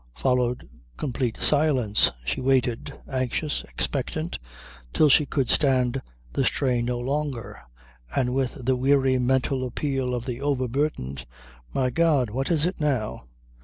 Followed complete silence. She waited, anxious, expectant, till she could stand the strain no longer, and with the weary mental appeal of the overburdened. "My God! What is it now?"